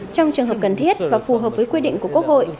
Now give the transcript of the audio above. trong trường hợp cần thiết và phù hợp với quy định của quốc hội